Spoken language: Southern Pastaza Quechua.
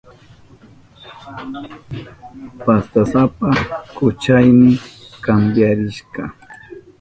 Pastasapa kuchaynin kampiyarishka.